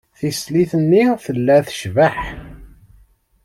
Tislit-nni tella tecbeḥ.